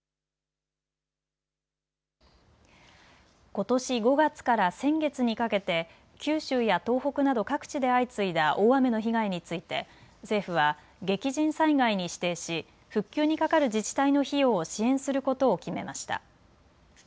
ことし５月から先月にかけて九州や東北など各地で相次いだ大雨の被害について政府は激甚災害に指定し復旧にかかる自治体の費用を支援することを決めました。